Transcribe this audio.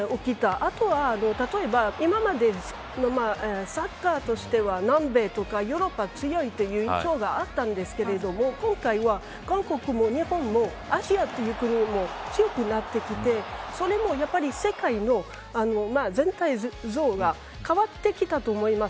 あとは例えば、今までサッカーとしては南米とかヨーロッパ強いという印象があったんですけれども今回は、韓国も日本もアジアという国も強くなってきてそれも世界の全体像が変わってきたと思います。